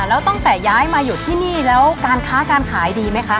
แล้วตั้งแต่ย้ายมาอยู่ที่นี่แล้วการค้าการขายดีไหมคะ